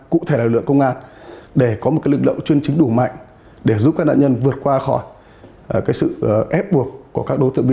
cụ thể là lực lượng công an để có một lực lượng chuyên chính đủ mạnh để giúp các nạn nhân vượt qua khỏi sự ép buộc của các đối tượng bị